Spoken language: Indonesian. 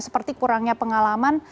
seperti kurangnya pengalaman